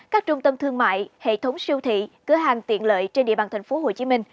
các trung tâm thương mại hệ thống siêu thị cửa hàng tiện lợi trên địa bàn tp hcm